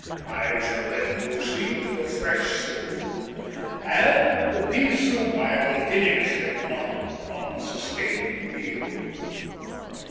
I shall then proceed to a fresh sole, and with the pea soup I will finish a not unsustaining meal."